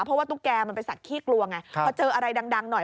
เพราะว่าตุ๊กแกมันเป็นสัตว์ขี้กลัวไงพอเจออะไรดังหน่อย